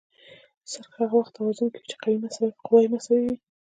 څرخ هغه وخت توازن کې وي چې قوې مساوي وي.